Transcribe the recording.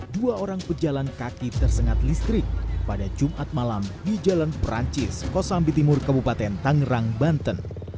dua orang pejalan kaki tersengat listrik pada jumat malam di jalan perancis kosambi timur kabupaten tangerang banten